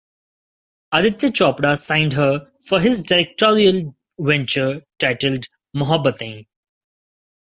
Aditya Chopra signed her for his directorial venture titled "Mohabbatein".